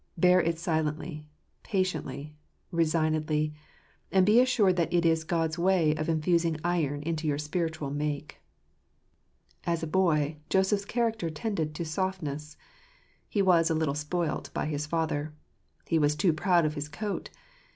Bear it silently, patiently, resignedly ; and be assured that it is God's way of infusing iron into your spiritual make. As a boy, Joseph's character tended to softness. He 1 was a little spoilt by his father. He was too proud of his j coat.